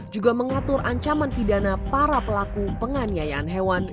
juga mengatur ancaman pidana para pelaku penganiayaan hewan